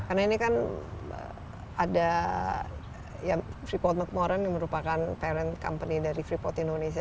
karena ini kan ada freeport mcmoran yang merupakan parent company dari freeport indonesia